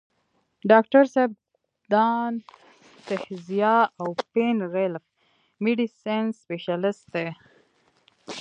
ډاکټر صېب دانستهزيا او پين ريليف ميډيسن سپيشلسټ دے ۔